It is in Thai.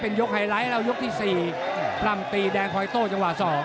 ยกไฮไลท์แล้วยกที่๔ปล้ำตีแดงคอยโต้จังหวะ๒